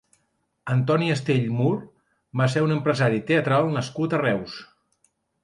Antoni Astell Mur va ser un empresari teatral nascut a Reus.